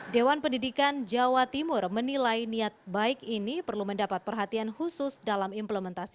dewan pendidikan jawa timur menilai niat baik ini perlu mendapat perhatian khusus dalam implementasi